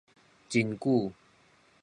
真久